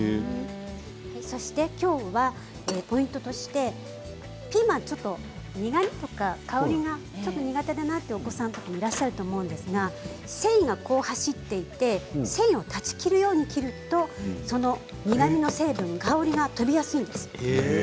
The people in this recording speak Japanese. そしてきょうはポイントとしてピーマンちょっと苦みとか香りが苦手というお子さんがいらっしゃると思うんですが繊維が走っていて繊維を断ち切るように切ると苦みの成分、香りが飛びやすいです。